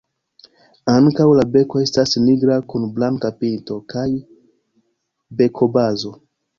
Ankaŭ la beko estas nigra kun blanka pinto kaj bekobazo.